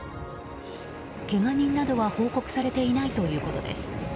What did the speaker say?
けが人などは報告されていないということです。